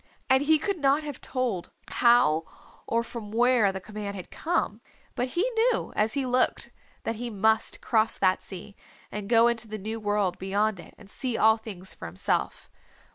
And he could not have told how or from where the command had come, but he knew as he looked that he must cross that sea and go into the new world beyond it and see all things for himself.